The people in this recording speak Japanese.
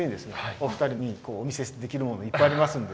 お二人にお見せできるものいっぱいありますんで。